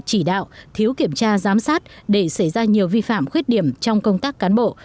chỉ đạo thiếu kiểm tra giám sát để xảy ra nhiều vi phạm khuyết điểm trong công tác cán bộ